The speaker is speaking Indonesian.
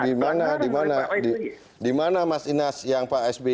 dimana dimana dimana mas ines yang pak sby dua ribu delapan